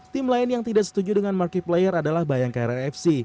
tim lain yang tidak setuju dengan markiplayer adalah bayangkara fc